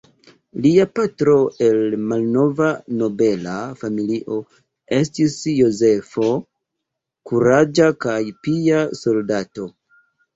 Lia patro el malnova nobela familio estis Jozefo, kuraĝa kaj pia soldato.